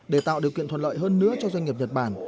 để tạo điều kiện thuận lợi hơn nữa cho doanh nghiệp nhật bản